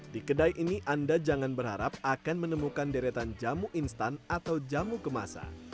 di kedai ini anda jangan berharap akan menemukan deretan jamu instan atau jamu kemasan